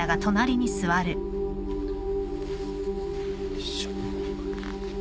よいしょ。